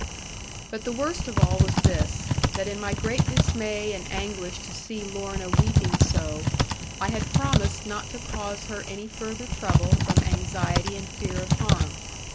But the worst of all was this, that in my great dismay and anguish to see Lorna weeping so, I had promised not to cause her any further trouble from anxiety and fear of harm.